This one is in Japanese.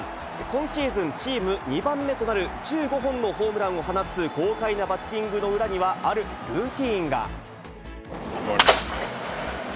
今シーズン、チーム２番目となる１５本のホームランを放つ豪快なバッティングの裏には、あるルーティンが。